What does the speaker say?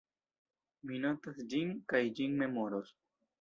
Mi notas ĝin, kaj ĝin memoros.